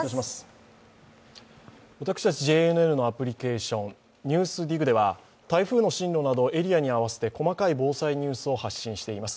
私たちＪＮＮのアプリケーション「ＮＥＷＳＤＩＧ」では台風の進路など、エリアに合わせて細かい防災ニュースを発信しています。